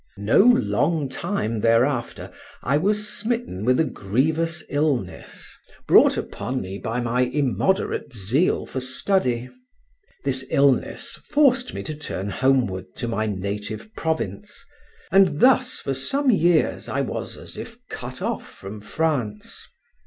No long time thereafter I was smitten with a grievous illness, brought upon me by my immoderate zeal for study. This illness forced me to turn homeward to my native province, and thus for some years I was as if cut off from France.